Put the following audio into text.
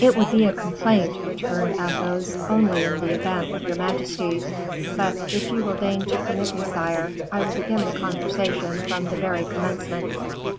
"It would be a complaint," returned Athos, "only in the event of your majesty but if you will deign to permit me, sire, I will begin the conversation from the very commencement."